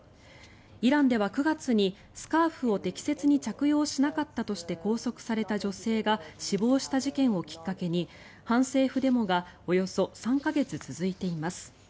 イランでは９月にスカーフを適切に着用しなかったとして拘束された女性が死亡した事件をきっかけに反政府デモがおよそ３か月続いています。